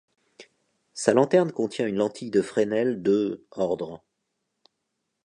Sa lanterne contient une lentille de Fresnel de ordre.